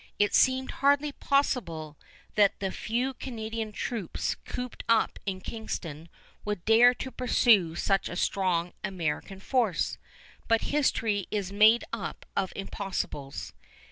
It seemed hardly possible that the few Canadian troops cooped up in Kingston would dare to pursue such a strong American force, but history is made up of impossibles.